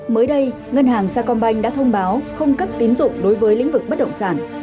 mới đây ngân hàng sacombank đã thông báo không cấp tín dụng đối với lĩnh vực bất động sản